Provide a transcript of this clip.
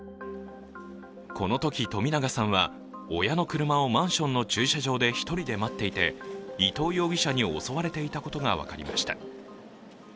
このとき冨永さんは親の車をマンションの駐車場で１人で待っていて、伊藤容疑者に襲われていたことが分かりました。